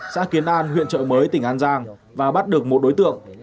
xã kiến an huyện trợ mới tỉnh an giang và bắt được một đối tượng